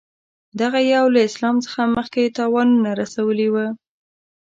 دغه دېو له اسلام څخه مخکې تاوانونه رسولي وه.